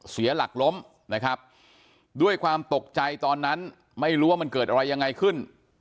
เสียหลักล้มนะครับด้วยความตกใจตอนนั้นไม่รู้ว่ามันเกิดอะไรยังไงขึ้น